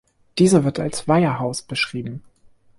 Diese wird als Weiherhaus beschrieben.